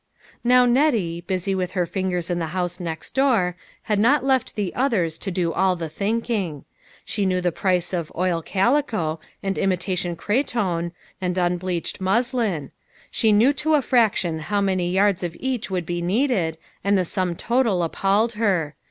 Now Nettie, busy with her fingers in the house next door, had not left the others to do all the thinking. She knew the price of " oil calico," and imitation cretonne, and unbleached muslin ; she knew to a fraction how many yards of each would be needed, and the sum total ap palled her.